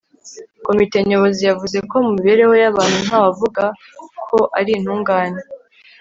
komite nyobozi yavuze ko mu mibereho y'abantu, nta wavuga ko ari intungane